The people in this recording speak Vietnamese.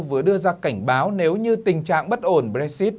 vừa đưa ra cảnh báo nếu như tình trạng bất ổn brexit